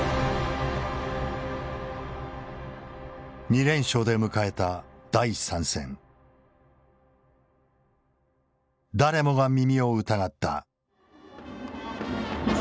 ２連勝で迎えた第３戦誰もが耳を疑った。